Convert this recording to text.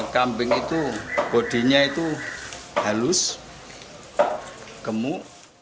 kambing itu bodinya itu halus gemuk